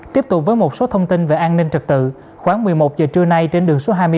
tiếp tục với một số thông tin về an ninh trật tự khoảng một mươi một giờ trưa nay trên đường số hai mươi hai